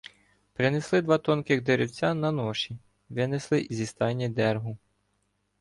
Принесли два тонких деревця на ноші, винесли зі стайні дергу.